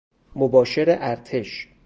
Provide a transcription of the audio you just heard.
مباشر ارتش